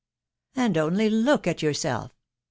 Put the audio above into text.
.... And only look at yourself